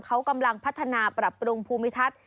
เขากำลังพัฒนาปรับปรุงภูมิทัศน์